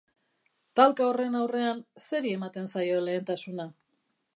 Talka horren aurrean, zeri ematen zaio lehentasuna?